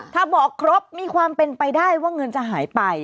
ถ้าบอกครบมีความเป็นไปได้ว่าเงินจะหายไป